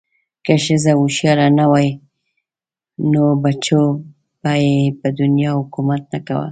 که ښځه هوښیاره نه وی نو بچو به ېې په دنیا حکومت نه کوه